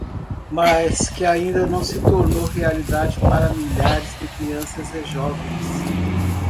mas que ainda não se tornou realidade para milhares de crianças e jovens